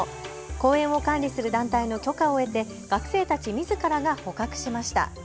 公園を管理する団体の許可を得て学生たちみずからが捕獲しました。